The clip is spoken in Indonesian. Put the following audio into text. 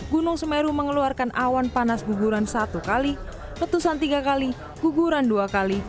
gunung semeru mengeluarkan awan panas guguran satu kali letusan tiga kali guguran dua kali